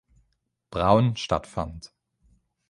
Braun" stattfand.